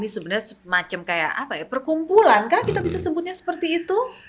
sebenarnya semacam kayak apa ya perkumpulan kah kita bisa sebutnya seperti itu